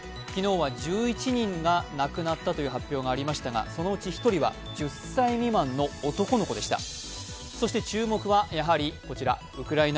昨日は１１人が亡くなったという発表がありましたがそのうち１人は１０歳未満の男の子でした。